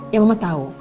ya mama tahu